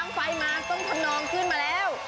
อ่าบุญบ้างไฟมาต้องทำนองขึ้นมาแล้ว